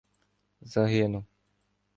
— Загинув.